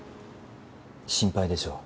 心配でしょう